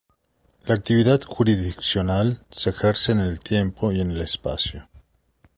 La actividad jurisdiccional se ejerce en el tiempo y en el espacio.